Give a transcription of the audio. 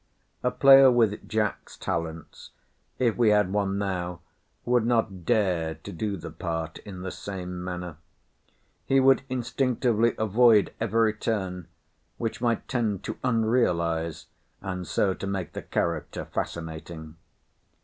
A player with Jack's talents, if we had one now, would not dare to do the part in the same manner. He would instinctively avoid every turn which might tend to unrealise, and so to make the character fascinating.